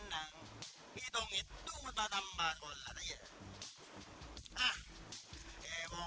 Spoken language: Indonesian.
pak ibu ini tanggung saya pak